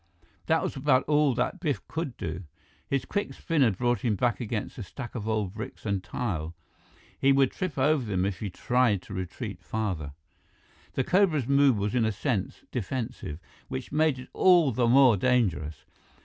That was about all that Biff could do. His quick spin had brought him back against the stack of old bricks and tile. He would trip over them, if he tried to retreat farther. The cobra's mood was in a sense defensive, which made it all the more dangerous.